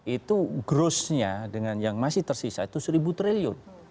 itu grossnya dengan yang masih tersisa itu seribu triliun